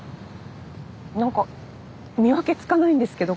なんか見分けつかないんですけど。